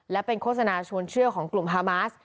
และเป็นโฆษณาชวนเชื่อของกลุ่มฮามาส